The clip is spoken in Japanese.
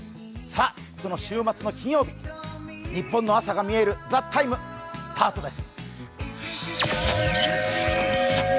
その週末の金曜日、ニッポンの朝がみえる「ＴＨＥＴＩＭＥ，」スタートです。